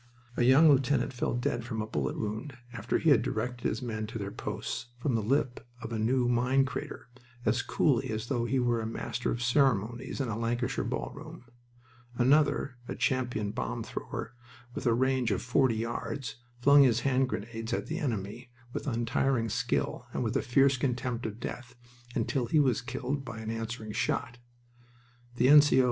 A young lieutenant fell dead from a bullet wound after he had directed his men to their posts from the lip of a new mine crater, as coolly as though he were a master of ceremonies in a Lancashire ballroom. Another, a champion bomb thrower, with a range of forty yards, flung his hand grenades at the enemy with untiring skill and with a fierce contempt of death, until he was killed by an answering shot. The N.C.O.'